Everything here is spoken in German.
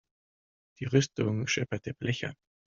Die Rüstung schepperte blechern.